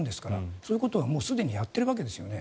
そういうことはすでにやっているわけですね。